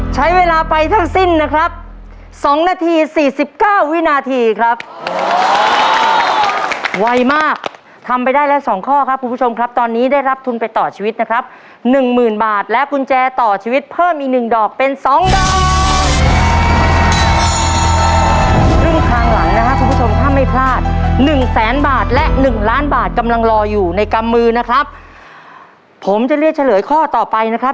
ใช้เวลาไปทั้งสิ้นนะครับสองนาทีสี่สิบเก้าวินาทีครับไวมากทำไปได้แล้วสองข้อครับคุณผู้ชมครับตอนนี้ได้รับทุนไปต่อชีวิตนะครับหนึ่งหมื่นบาทและกุญแจต่อชีวิตเพิ่มอีกหนึ่งดอกเป็นสองดอกครึ่งทางหลังนะครับคุณผู้ชมถ้าไม่พลาดหนึ่งแสนบาทและหนึ่งล้านบาทกำลังรออยู่ในกำมือนะครับผมจะเลือกเฉลยข้อต่อไปนะครับ